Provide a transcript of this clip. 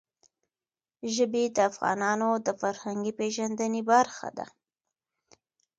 ژبې د افغانانو د فرهنګي پیژندنې برخه ده.